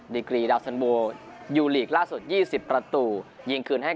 ดิกรีดาวทรันบังยูลีคล่าสุด๒๐ประตู